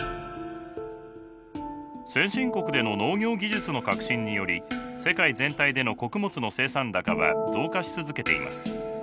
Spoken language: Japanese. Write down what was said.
先進国での農業技術の革新により世界全体での穀物の生産高は増加し続けています。